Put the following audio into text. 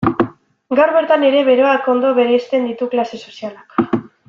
Gaur bertan ere beroak ondo bereizten ditu klase sozialak.